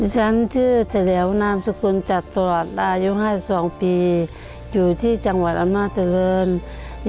ฉันชื่อเฉลียวนามสกุลจัดสวัสดิ์อายุ๕๒ปีอยู่ที่จังหวัดอำนาจริง